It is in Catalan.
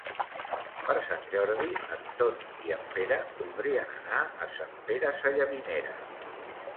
Per Sant Jordi en Ton i en Pere voldrien anar a Sant Pere Sallavinera.